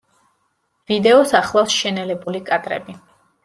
ვიდეოს ახლავს შენელებული კადრები.